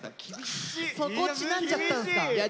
そこちなんじゃったんすか？